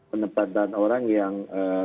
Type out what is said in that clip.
penempatan orang yang